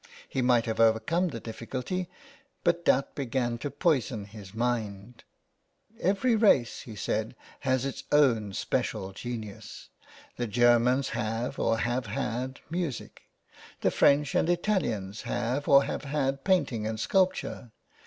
He might have overcome the difficulty, but doubt began to poison his mind. " Every race," he said, " has its own special genius. The Germans have or have had music. The French and Italians have or have had painting and sculpture.